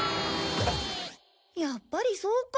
やっぱりそうか。